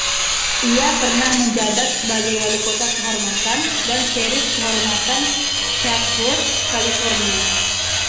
Ia pernah menjabat sebagai walikota kehormatan dan sheriff kehormatan Chatsworth, California.